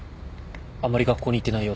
あまり学校に行ってないようだし。